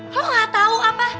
lo gak tau apa